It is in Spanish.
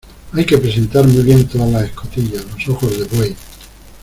hay que presentar muy bien todas las escotillas, los ojos de buey